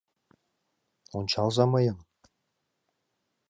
Ончалза мыйым!